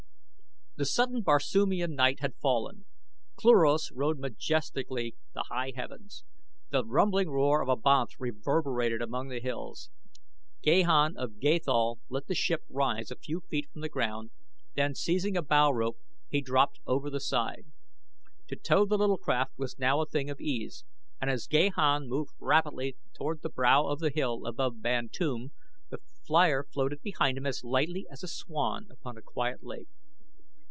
The sudden Barsoomian night had fallen. Cluros rode majestically the high heavens. The rumbling roar of a banth reverberated among the hills. Gahan of Gathol let the ship rise a few feet from the ground, then, seizing a bow rope, he dropped over the side. To tow the little craft was now a thing of ease, and as Gahan moved rapidly toward the brow of the hill above Bantoom the flier floated behind him as lightly as a swan upon a quiet lake.